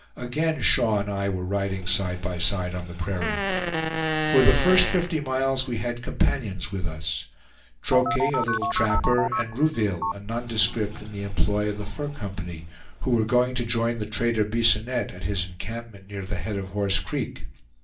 Again Shaw and I were riding side by side on the prairie. For the first fifty miles we had companions with us; Troche, a little trapper, and Rouville, a nondescript in the employ of the Fur Company, who were going to join the trader Bisonette at his encampment near the head of Horse Creek.